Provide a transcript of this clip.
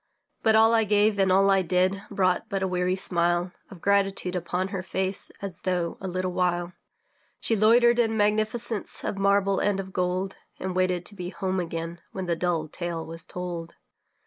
But all I gave and all I did Brought but a weary smile Of gratitude upon her face As though, a little while, She loitered in magnificence Of marble and of gold, And waited to be home again, When the dull tale was told.